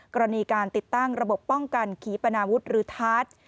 กรณีการติดตั้งระบบป้องกันขีปนาวุฒิหรือทาส